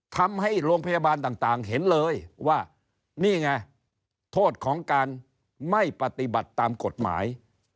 ทำให้โรงพยาบาลต่างเห็นเลยว่านี่ไงโทษของการไม่ปฏิบัติตามกฎหมาย